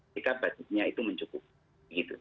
jika budgetnya itu mencukupi